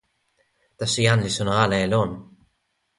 taso jan li sona ala e lon.